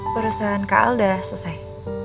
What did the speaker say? perusahaan kak al udah selesai